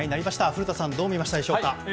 古田さんどう見ましたでしょうか。